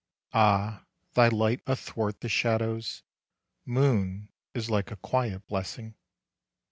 Ah, thy light athwart the shadows, Moon, is like a quiet blessing!